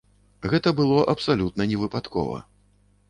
Гэта было абсалютна невыпадкова.